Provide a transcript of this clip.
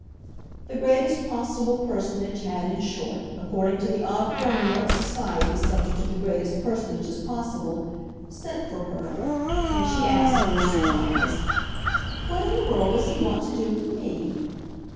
The greatest possible Personage had, in short, according to the odd formula of societies subject to the greatest personages possible, "sent for" her, and she asked, in her surprise, "What in the world does he want to do to me?"